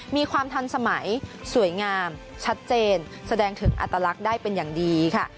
มีความทันสมัยสวยงามชัดเจนแสดงถึงอัตลักษณ์ได้เป็นอย่างดีค่ะ